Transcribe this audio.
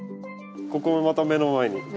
ここもまた目の前に。